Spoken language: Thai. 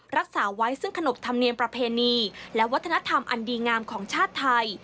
รักษาไว้ซึ่งขนบธรรมเนียมประเพณีและวัฒนธรรมอันดีงามของชาติไทย